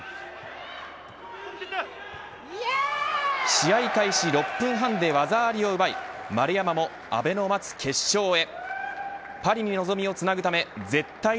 試合開始６分半で技ありを奪い丸山も、阿部の待つ決勝へ。